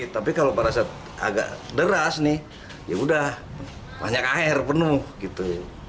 tapi kalau pada saat agak deras nih ya udah banyak air penuh gitu